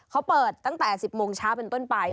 เขาเปิดตั้งแต่๑๐โมงเช้าเป็นต้นไป